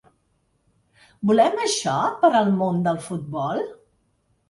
Volem això per al món del futbol?